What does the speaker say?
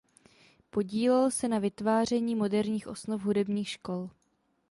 Podílel se na vytváření moderních osnov hudebních škol.